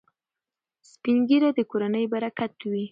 سپین ږیري د کورنۍ برکت وي.